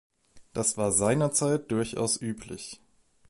Das war seinerzeit durchaus üblich.